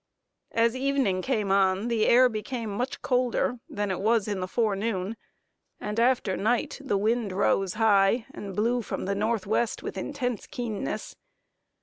As evening came on, the air became much colder than it was in the forenoon, and after night the wind rose high and blew from the northwest, with intense keenness.